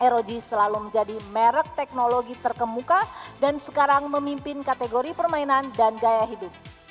rog selalu menjadi merek teknologi terkemuka dan sekarang memimpin kategori permainan dan gaya hidup